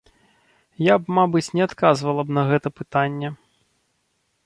Я б, мабыць, не адказвала б на гэтае пытанне.